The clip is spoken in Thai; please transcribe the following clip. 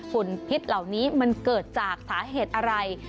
ฝุ่นพิษเหล่านี้มันเกิดจากสาเหตุอะไร